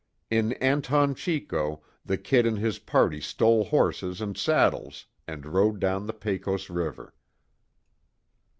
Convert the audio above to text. In Anton Chico, the "Kid" and his party stole horses and saddles, and rode down the Pecos river.